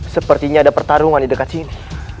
sepertinya ada pertarungan di dekat sini